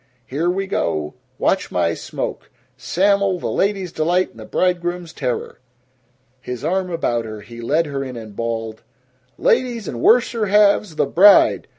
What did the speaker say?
Here we go! Watch my smoke Sam'l, the ladies' delight and the bridegrooms' terror!" His arm about her, he led her in and bawled, "Ladies and worser halves, the bride!